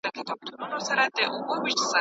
املا په هره برخه کي ګټه لري.